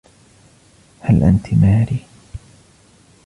هل أنتي ماري؟